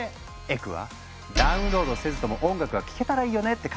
エクは「ダウンロードせずとも音楽が聴けたらいいよね」って考えた。